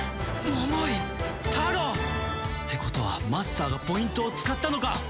桃井タロウ！ってことはマスターがポイントを使ったのか！